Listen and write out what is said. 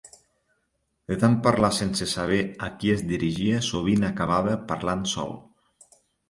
De tant parlar sense saber a qui es dirigia sovint acabava parlant sol.